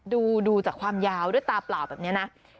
ดูข้อมูลของยาวด้วยตาเปล่าแบบนี้นะ